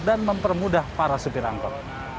dan mempermudah para supir angkot